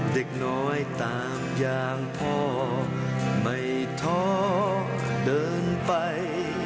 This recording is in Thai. เด็กน้อยตามอย่างพ่อไม่ท้อเดินไป